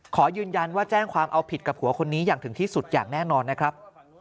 ขอยืนยันว่าแจ้งความเอาผิดกับผัวคนนี้อย่างถึงที่สุดอย่างแน่นอนนะครับ